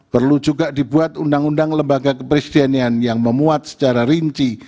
perlu juga dibuat undang undang lembaga kepresidenan yang memuat secara rinci